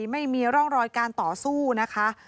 ไม่มีร่องรอยการต่อสู้นะคะ